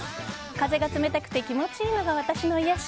風が冷たくて気持ちいいのが私の癒やし。